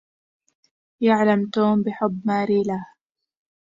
يعلم توم بحبّ ماري له.